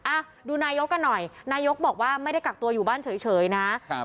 อ่ะดูนายกกันหน่อยนายกบอกว่าไม่ได้กักตัวอยู่บ้านเฉยนะครับ